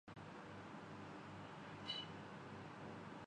کام کے عوض یہ صدقہ دینا پڑتا ہے۔